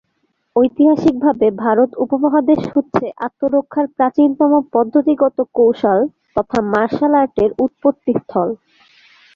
ঐতিহাসিক ভাবে ভারত উপমহাদেশ হচ্ছে আত্মরক্ষার প্রাচীনতম পদ্ধতিগত কৌশল তথা মার্শাল আর্টের উৎপত্তি স্থল।